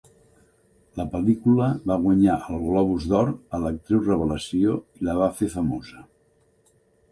La pel·lícula va guanyar el Globus d'Or a l'actriu revelació i la va fer famosa.